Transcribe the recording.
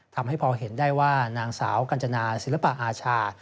ทำให้พอเห็นได้ว่านางสาวกัญจนาศิลปะอาชา